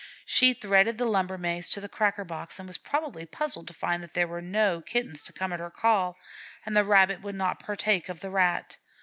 She threaded the lumber maze to the cracker box and was probably puzzled to find that there were no Kittens to come at her call, and the Rabbit would not partake of the Rat.